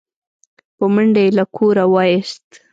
په منډه يې له کوره و ايست